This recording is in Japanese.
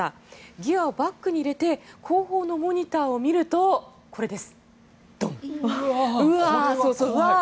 ギアをバックに入れて後方のモニターを見るとこれです、ドン。